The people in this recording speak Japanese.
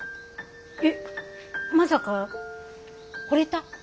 えっまさかほれた？